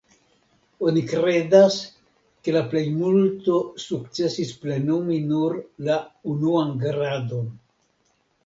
Oni kredas, ke la plejmulto sukcesis plenumi nur la "unuan gradon".